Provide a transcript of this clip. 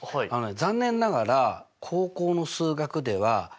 残念ながら高校の数学ではええ！？